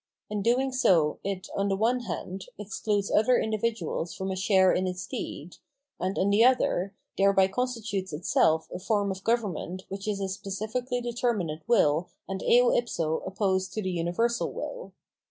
In doing so it, on the one hand, excludes other indivuduals from a share in its deed, and, on the other, thereby constitutes itseh a form of government which is a specifically determinate will and eo if so opposed to the universal will.